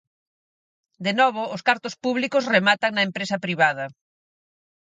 De novo, os cartos públicos rematan na empresa privada.